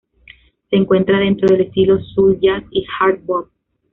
Se encuadra dentro del estilo soul jazz y hard bop.